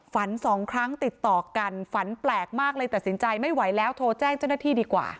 สองครั้งติดต่อกันฝันแปลกมากเลยตัดสินใจไม่ไหวแล้วโทรแจ้งเจ้าหน้าที่ดีกว่า